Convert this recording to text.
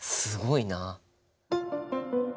すごいな。